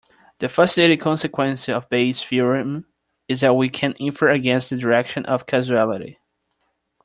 The fascinating consequence of Bayes' theorem is that we can infer against the direction of causality.